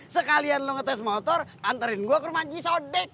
sekalian lu ngetes motor anterin gua ke rumah c sodik